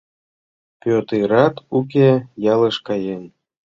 Пӧтырат уке: ялыш каен.